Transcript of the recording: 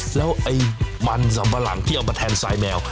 แล้วไอ้มันสำหรับหลังที่เอามาแทนไซด์แมว